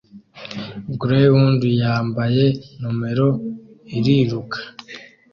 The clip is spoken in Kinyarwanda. Greyhound yambaye numero iriruka